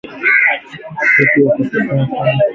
Benki hiyo kwa sasa inafanya utafiti wa awali kufahamu